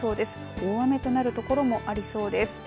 大雨となるところもありそうです。